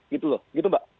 gitu loh gitu mbak